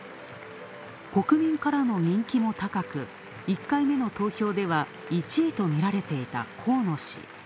国民からの人気も高く、１回目の投票では１位とみられていた河野氏。